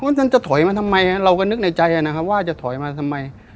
ท่านจะถอยมาทำไมเราก็นึกในใจนะครับว่าจะถอยมาทำไม